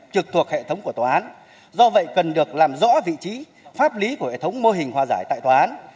trực thuộc hệ thống của tòa án do vậy cần được làm rõ vị trí pháp lý của hệ thống mô hình hòa giải tại tòa án